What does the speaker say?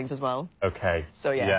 はい。